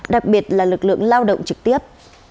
đặc biệt là lực lượng lao động trực tiếp